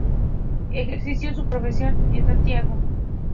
Ejerció su profesión en Santiago.